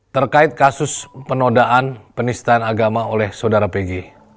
terkait kasus penodaan penistaan agama oleh saudara pg